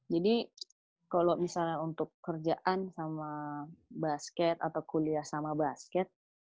jadi kalau misalnya untuk kerjaan sama basket atau kuliah sama basket